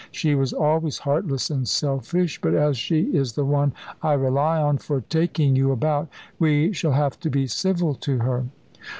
She was always heartless and selfish but as she is the one I rely on for taking you about, we shall have to be civil to her."